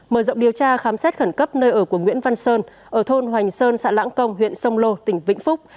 mở rộng điều tra khám xét khẩn cấp nơi ở của nguyễn văn sơn ở thôn hoành sơn xã lãng công huyện sông lô tỉnh vĩnh phúc